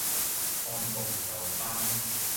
按部就班